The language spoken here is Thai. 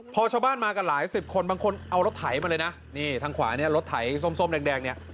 พอชาวบ้านมากันหลายสิบคนบางคนเอารถไถมาเลยนะนี่ทางขวาเนี่ยรถไถส้มส้มแดงเนี่ย